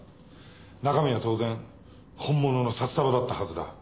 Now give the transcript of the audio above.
中身は当然本物の札束だったはずだ。